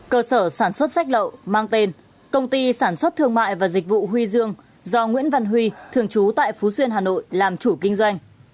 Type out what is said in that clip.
cơ sở sản xuất sách lậu mang tên công ty sản xuất thương mại và dịch vụ huy dương do nguyễn văn huy thường trú tại phú xuyên hà nội làm chủ kinh doanh